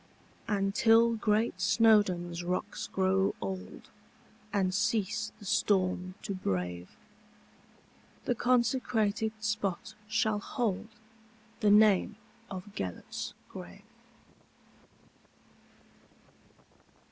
And, till great Snowdon's rocks grow old, And cease the storm to brave, The consecrated spot shall holdThe name of "Gêlert's Grave."